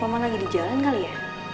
mama lagi di jalan kali ya